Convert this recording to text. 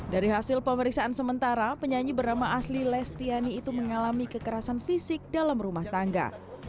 dari hasil pemeriksaan sementara penyanyi bernama asli lestiani itu mengalami kekerasan fisik dalam rumah tangga